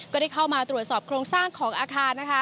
ก็ได้เข้ามาตรวจสอบโครงสร้างของอาคารนะคะ